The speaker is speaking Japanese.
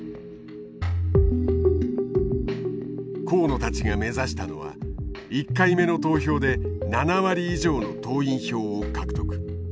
河野たちが目指したのは１回目の投票で７割以上の党員票を獲得。